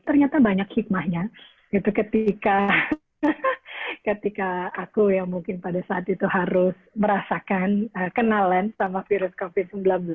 ternyata banyak hikmahnya ketika aku yang mungkin pada saat itu harus merasakan kenalan sama virus covid sembilan belas